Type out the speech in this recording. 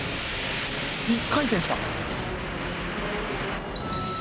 １回転した。